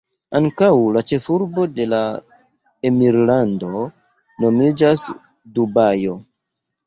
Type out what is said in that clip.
Ankaŭ la ĉefurbo de la emirlando nomiĝas Dubajo.